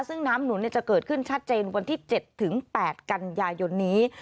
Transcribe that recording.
ซึ่งน้ำหนุนจะเกิดขึ้นชัดเจนวันที่๗๘กันยายนนี้